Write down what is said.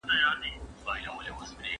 موږ باید د تېر تاریخ ټوله پانګه وساتو.